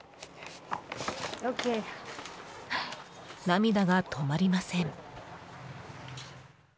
涙が止まりません。